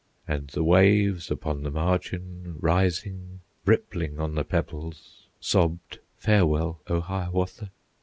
And the waves upon the margin Rising, rippling on the pebbles, Sobbed, "Farewell, O Hiawatha!"